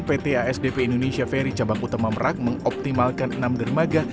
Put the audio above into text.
pt asdp indonesia ferry cabang utama merak mengoptimalkan enam dermaga